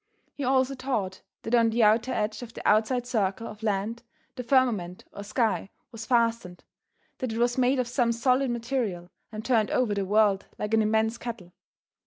He also taught that on the outer edge of the outside circle of land the firmament or sky was fastened, that it was made of some solid material and turned over the world like an immense kettle.